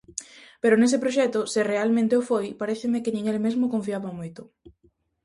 Pero nese proxecto, se realmente o foi, paréceme que nin el mesmo confiaba moito.